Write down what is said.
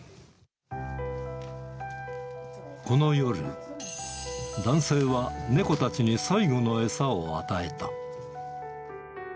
この夜、男性は猫たちに最後の餌を与えた。